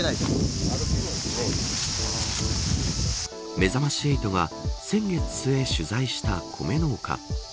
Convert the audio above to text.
めざまし８は先月末取材した米農家。